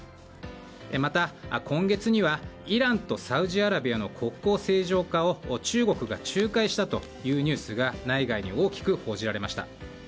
また、今月にはイランとサウジアラビアの国交正常化を中国が仲介したというニュースが内外に大きく報じられました。